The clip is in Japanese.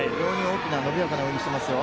伸びやかな泳ぎをしていますよ。